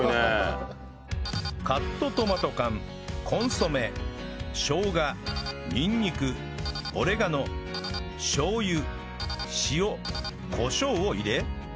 カットトマト缶コンソメしょうがにんにくオレガノしょう油塩コショウを入れ